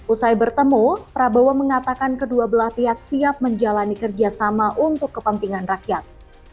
usai bertemu prabowo mengatakan kedua belah pihak siap menjalani kerjasama untuk kepentingan rakyat